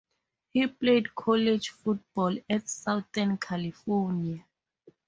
He played college football at Southern California.